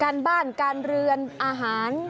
การบ้านการเรือนอาหาร